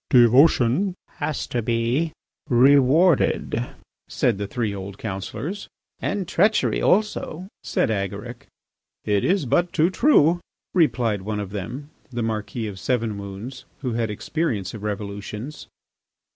"Devotion has to be rewarded," said the three old councillors. "And treachery also," said Agaric. "It is but too true," replied one of them, the Marquis of Sevenwounds, who had experience of revolutions.